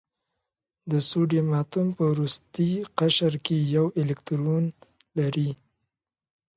د سوډیم اتوم په وروستي قشر کې یو الکترون لري.